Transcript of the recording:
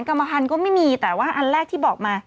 กรรมภัณฑ์ก็ไม่มีแต่ว่าอันแรกที่บอกมา